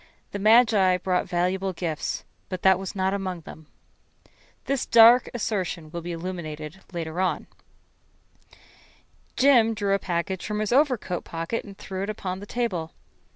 The magi brought valuable gifts but that was not among them. This dark assertion will be illuminated later. Jim drew a package from his overcoat pocket and threw it upon the table.